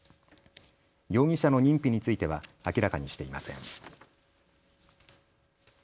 容疑者の認否については明らかにしていません。